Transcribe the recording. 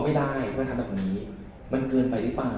ไม่ได้ทำไมทำแบบนี้มันเกินไปหรือเปล่า